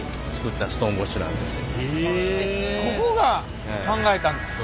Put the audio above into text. ここが考えたんですか？